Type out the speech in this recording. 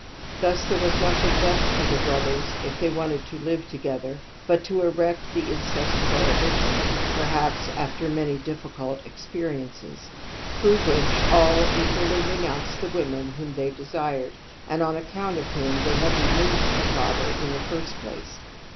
Thus there was nothing left for the brothers, if they wanted to Uve together, but to erect ^ the incest prohibition — ^perhaps after many difficult experiences— through which they all equally renounced the women whom^ they dgsired /and on accoimt of whom they had removed the father in the first place.